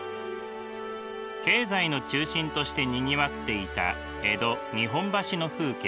経済の中心としてにぎわっていた江戸日本橋の風景。